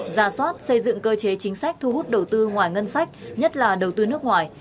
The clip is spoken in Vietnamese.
ra soát xây dựng cơ chế chính sách thu hút đầu tư ngoài ngân sách nhất là đầu tư nước ngoài